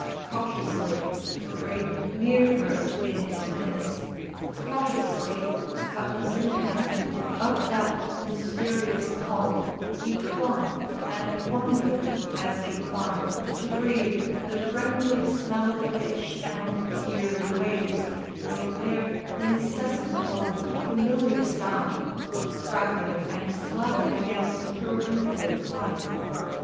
Cautiously Drake neared her in his pinnace: cautiously, Cutlass in hand, up that mysterious hull He clomb, and wondered, as he climbed, to breathe The friendly smell o' the pitch and hear the waves With their incessant old familiar sound Crackling and slapping against her windward flank.